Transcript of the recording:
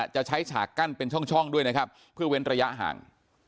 จะใช้ฉากกั้นเป็นช่องด้วยนะครับเพื่อเว้นระยะห่าง